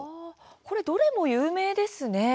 これ、どれも有名ですね。